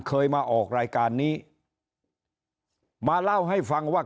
เคยมาออกรายการนี้มาเล่าให้ฟังว่า